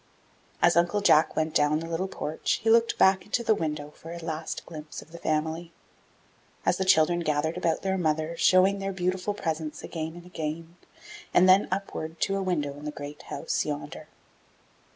As Uncle Jack went down the little porch he looked back into the window for a last glimpse of the family, as the children gathered about their mother, showing their beautiful presents again and again, and then upward to a window in the great house yonder.